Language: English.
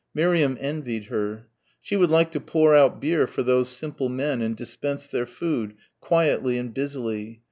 Miriam envied her. She would like to pour out beer for those simple men and dispense their food ... quietly and busily....